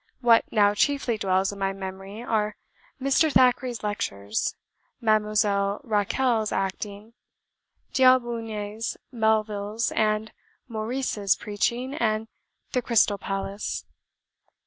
What now chiefly dwells in my memory are Mr. Thackeray's lectures, Mademoiselle Rachel's acting, D'Aubigne's, Melville's, and Maurice's preaching, and the Crystal Palace.